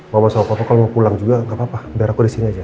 mama sama papa kalo mau pulang juga gapapa biar aku disini aja